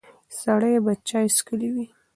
سړی به چای څښلی وي.